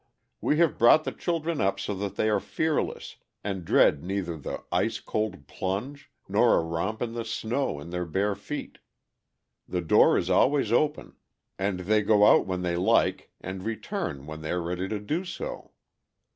We have brought the children up so that they are fearless, and dread neither the ice cold plunge nor a romp in the snow in their bare feet. The door is always open, and they go out when they like and return when they are ready to do so.